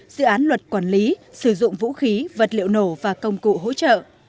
dự án luật quản lý sử dụng vũ khí vật liệu nổ và công cụ hỗ trợ